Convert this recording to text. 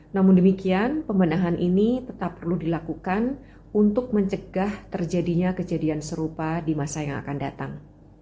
namun demikian pembenahan ini tetap perlu dilakukan untuk mencegah terjadinya kejadian serupa di masa yang akan datang